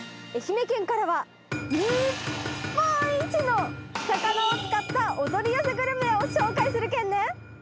愛媛県からは、日本一の魚を使ったお取り寄せグルメを紹介するけんね。